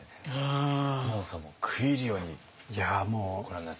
亞門さんも食い入るようにご覧になってました。